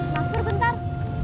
mas pur bentar